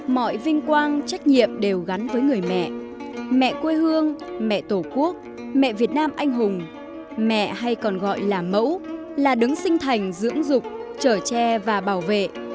mọi vinh quang trách nhiệm đều gắn với người mẹ quê hương mẹ tổ quốc mẹ việt nam anh hùng mẹ hay còn gọi là mẫu là đứng sinh thành dưỡng dục trở tre và bảo vệ